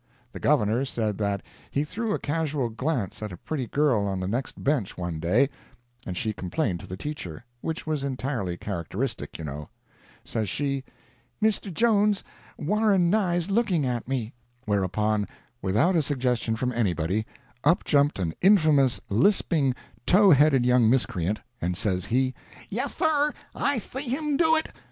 The Governor said that he threw a casual glance at a pretty girl on the next bench one day, and she complained to the teacher—which was entirely characteristic, you know. Says she, "Mister Jones, Warren Nye's looking at me." Whereupon, without a suggestion from anybody, up jumped an infamous, lisping, tow headed young miscreant, and says he, "Yeth, thir, I thee him do it!"